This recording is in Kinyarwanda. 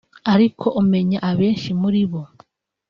Ariko umenya abenshi muribo